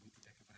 ini dia uangnya